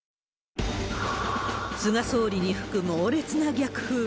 菅総理に吹く猛烈な逆風。